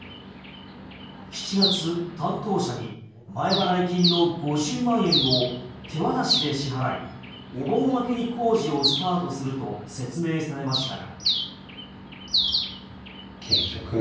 ７月、担当者に前払い金の５０万円を手渡しで支払いお盆明けに工事をスタートすると説明されましたが。